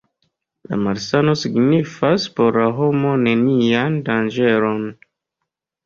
La malsano signifas por la homo nenian danĝeron.